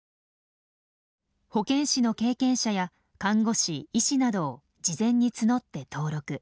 保健師の経験者や看護師医師などを事前に募って登録。